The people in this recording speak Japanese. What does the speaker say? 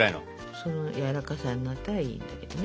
そのやわらかさになったらいいんだけどね。